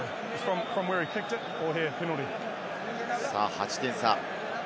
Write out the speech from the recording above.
８点差。